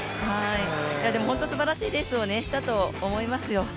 でも本当にすばらしいレースをしたと思いますよ。